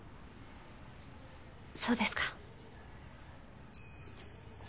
そうですか。